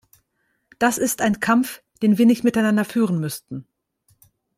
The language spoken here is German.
Das ist ein Kampf, den wir nicht miteinander führen müssten.